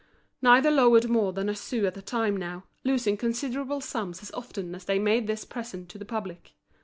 Neither lowered more than a sou at a time now, losing considerable sums as often as they made this present to the public.